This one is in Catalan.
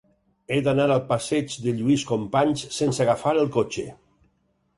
He d'anar al passeig de Lluís Companys sense agafar el cotxe.